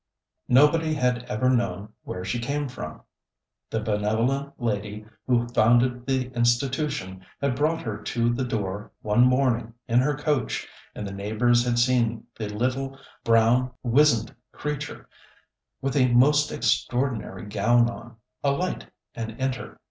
Nobody had ever known where she came from. The benevolent lady who founded the institution, had brought her to the door one morning in her coach, and the neighbors had seen the little brown, wizened creature, with a most extraordinary gown on, alight and enter.